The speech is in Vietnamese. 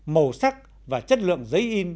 màu sắc và chất lượng giấy in